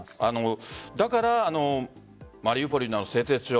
だからマリウポリの製鉄所